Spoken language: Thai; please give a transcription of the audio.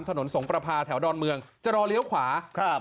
สงประพาแถวดอนเมืองจะรอเลี้ยวขวาครับ